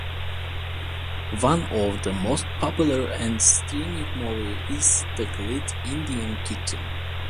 One of the most popular and streaming movie is ‘The Great Indian Kitchen’.